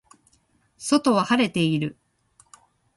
外は晴れている